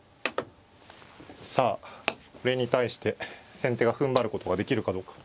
さあこれに対して先手がふんばることができるかどうか。